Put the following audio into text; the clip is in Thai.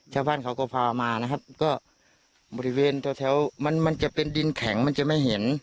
ชาวบ้านเขาก็พามานะครับก็บริเวณแถวมันมันจะเป็นดินแข็งมันจะไม่เห็น